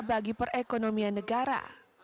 bagi perekonomian negara